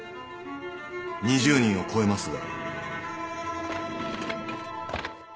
２０人を超えますが。